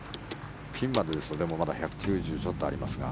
ピンまでですとまだ１９０ちょっとありますが。